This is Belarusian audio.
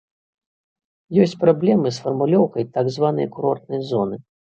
Ёсць праблемы з фармулёўкай так званай курортнай зоны.